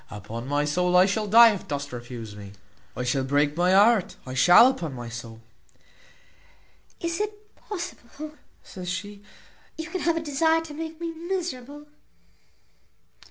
Upon my soul I shall die if dost refuse me; I shall break my heart, I shall, upon my soul." "Is it possible," says she, "you can have such a desire to make me miserable?"